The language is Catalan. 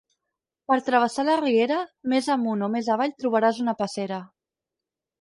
Per travessar la riera, més amunt o més avall trobaràs una passera.